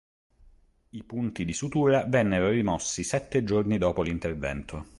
I punti di sutura vennero rimossi sette giorni dopo l'intervento.